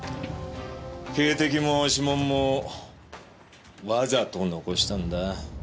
警笛も指紋もわざと残したんだ。